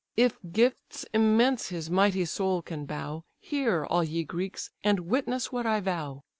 If gifts immense his mighty soul can bow, Hear, all ye Greeks, and witness what I vow.